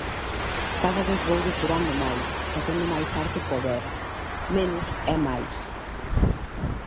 Cada vez vou depurando máis, facendo máis arte povera: menos é máis.